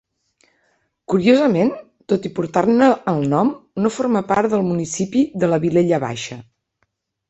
Curiosament, tot i portar-ne el nom no forma part del municipi de la Vilella Baixa.